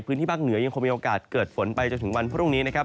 พื้นที่ภาคเหนือยังคงมีโอกาสเกิดฝนไปจนถึงวันพรุ่งนี้นะครับ